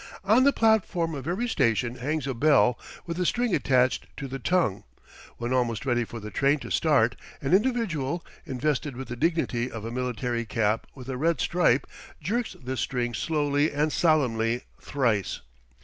On the platform of every station hangs a bell with a string attached to the tongue. When almost ready for the train to start, an individual, invested with the dignity of a military cap with a red stripe, jerks this string slowly and solemnly thrice.